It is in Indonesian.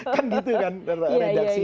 kan gitu kan redaksinya